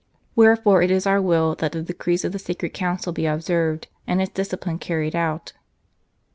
Wherefore it is our will that the decrees of the Sacred Council be observed, and its discipline carried out."